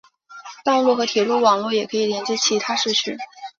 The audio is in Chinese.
道路和铁路网络也可以连接其他市区。